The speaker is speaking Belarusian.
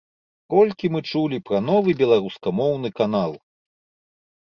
Колькі мы чулі пра новы беларускамоўны канал!